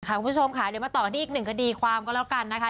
คุณผู้ชมค่ะเดี๋ยวมาต่อที่อีกหนึ่งคดีความก็แล้วกันนะคะ